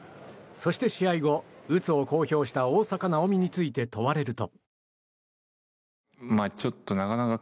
そして、試合後うつを公表した大坂なおみについて問われると。